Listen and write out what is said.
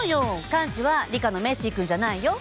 カンチはリカのメッシーくんじゃないよ。